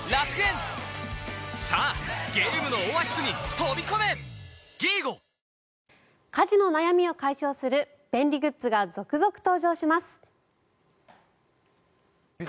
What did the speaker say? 東京海上日動家事の悩みを解消する便利グッズが続々登場します。